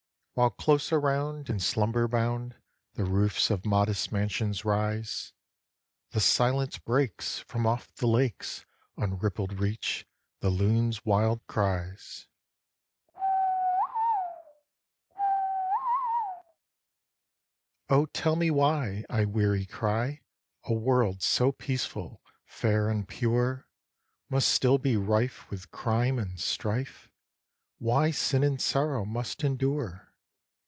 While close around, in slumber bound, The roofs of modest mansions rise. The silence breaks! From off the lake's Unrippled reach, the loon's wild cries, "Ke woi o! Ke we oi o!" "Oh, tell my why," I weary cry, "A world so peaceful, fair, and pure, Must still be rife with crime and strife? Why sin and sorrow must endure?